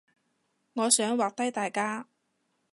我想畫低大家